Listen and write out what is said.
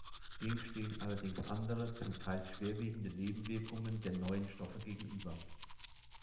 Dem stehen allerdings andere, zum Teil schwerwiegende Nebenwirkungen der neuen Stoffe gegenüber.